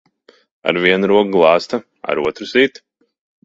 Ar vienu roku glāsta, ar otru sit.